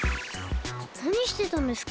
なにしてたんですか？